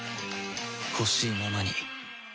ほしいままに